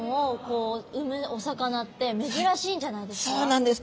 そうなんです。